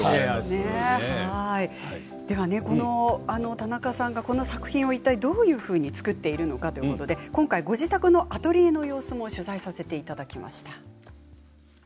田中さんがこの作品をいったいどういうふうに作っているのかということで今回ご自宅のアトリエの様子も取材させていただきました。